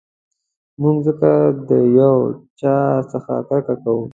موږ ځکه د یو چا څخه کرکه کوو.